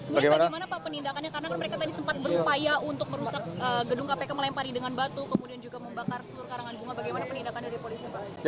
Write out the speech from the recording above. kemudian bagaimana pak penindakannya karena kan mereka tadi sempat berupaya untuk merusak gedung kpk melempari dengan batu kemudian juga membakar seluruh karangan bunga bagaimana penindakan dari polisi pak